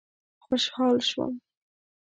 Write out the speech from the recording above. خوشحال شوم.